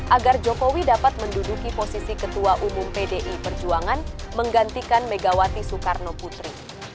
agar jokowi dapat menduduki posisi ketua umum pdi perjuangan menggantikan megawati soekarno putri